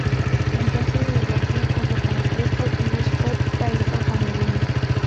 Entonces el botín, junto con los tres cautivos, fue traído a Medina.